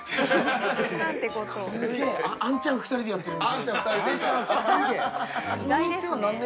兄ちゃん２人でやってる店？